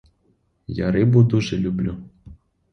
Я рибу дуже люблю.